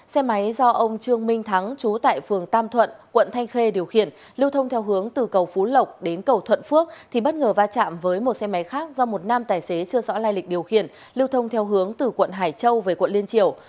xe máy do ông trương minh thắng chú tại phường tam thuận quận thanh khê điều khiển lưu thông theo hướng từ cầu phú lộc đến cầu thuận phước thì bất ngờ va chạm với một xe máy khác do một nam tài xế chưa rõ lai lịch điều khiển lưu thông theo hướng từ quận hải châu về quận liên triều